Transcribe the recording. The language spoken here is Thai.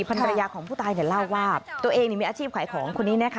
ภรรยาของผู้ตายเล่าว่าตัวเองมีอาชีพขายของคนนี้นะคะ